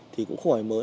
thì cũng khá là khó